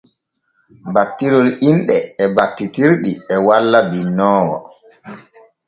Battirol inɗe e battitirɗi e walla binnoowo.